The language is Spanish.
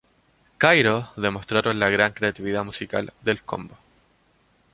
Cairo" demostraron la gran creatividad musical del combo.